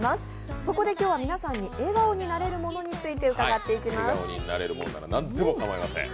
そこで今日は皆さんに笑顔になれるものについて伺っていきます。